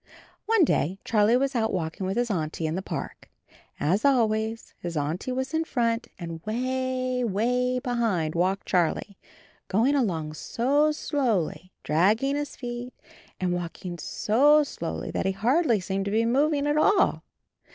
One day Charlie was out walking with his Auntie in the park. As always his Auntie was in front, and way, way behind walked Charlie — agoing along so slowly, dragging his feet, and walking so slowly that he hardly seemed to be moving at all.